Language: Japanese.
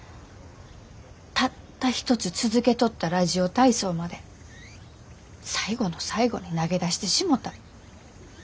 たった一つ続けとったラジオ体操まで最後の最後に投げ出してしもた。